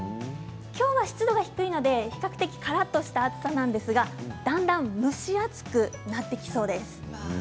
きょうは湿度が低いので比較的からっとした暑さなんですがだんだん、むし暑くなってきそうです。